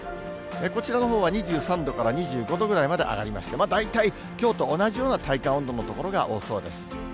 こちらのほうは２３度から２５度ぐらいまで上がりまして、大体きょうと同じような体感温度の所が多そうです。